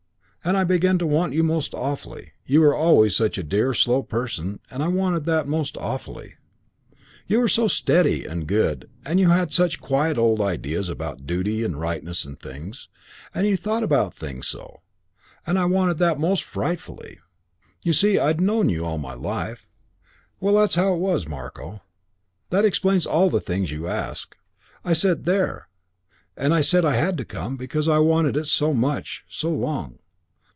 And I began to want you most awfully. You were always such a dear, slow person; and I wanted that most awfully. You were so steady and good and you had such quiet old ideas about duty and rightness and things, and you thought about things so, and I wanted that most frightfully. You see, I'd known you all my life well, that's how it was, Marko. That explains all the things you asked. I said 'There'; and I said I had to come; because I'd wanted it so much, so long.